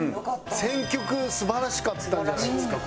選曲素晴らしかったんじゃないですか？